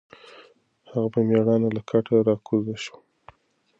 هغه په مېړانه له کټه راکوز شو.